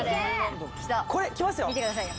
これきますよ！